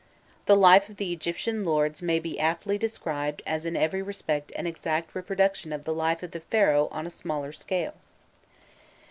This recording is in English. The life of the Egyptian lords may be aptly described as in every respect an exact reproduction of the life of the Pharaoh on a smaller scale.